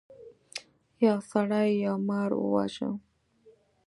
یو سړي یو مار وواژه.